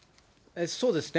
そうですね。